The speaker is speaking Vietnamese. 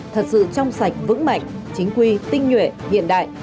thật sự trong sạch vững mạnh chính quy tinh nhuệ hiện đại